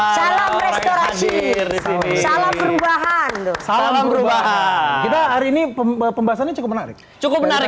salam perubahan salam perubahan kita hari ini pembahasannya cukup menarik cukup menarik